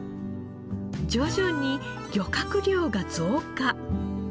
徐々に漁獲量が増加。